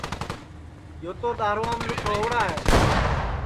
یو تو دؔارُوام لُٹھ ہووَڑا ہے